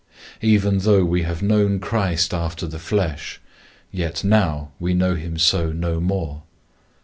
Even though we have known Christ after the flesh, yet now we know him so no more.